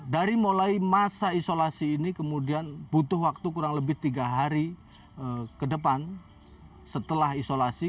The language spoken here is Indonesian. dari mulai masa isolasi ini kemudian butuh waktu kurang lebih tiga hari ke depan setelah isolasi